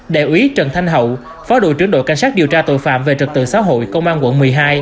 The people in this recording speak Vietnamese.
đại úy trần thanh hậu phó đội trưởng đội cảnh sát điều tra tội phạm về trật tự xã hội công an quận một mươi hai